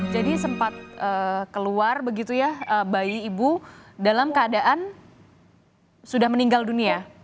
jadi sempat keluar begitu ya bayi ibu dalam keadaan sudah meninggal dunia